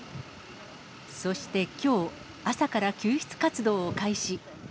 そしてきょう、朝から救出活動を開始。